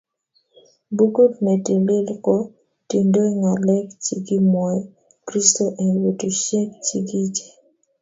Bukut ne tilil ko tindoi ngalek chikimwoi kristo eng betusiek chikiche